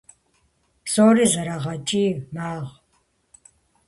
Псори зэрогъэкӀий, магъ.